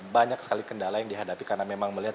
banyak sekali kendala yang dihadapi karena memang melihat